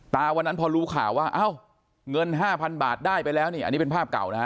วันนั้นพอรู้ข่าวว่าเอ้าเงิน๕๐๐๐บาทได้ไปแล้วนี่อันนี้เป็นภาพเก่านะฮะ